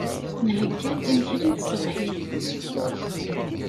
Nheyya-d imekli n tṣebḥit.